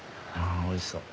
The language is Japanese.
おいしそう。